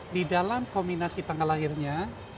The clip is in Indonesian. di dalam kombinasi tanggal lahirnya